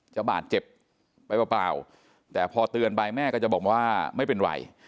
จะบาดเจ็บไปเปล่าแต่พอเตือนไปแม่ก็จะบอกว่าไม่เป็นไร